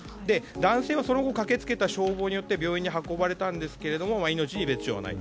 男性は、その後駆けつけた消防によって病院に運ばれたんですが命に別条はない。